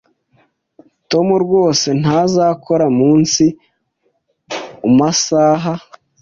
Tom rwose ntazakora munsi umasaha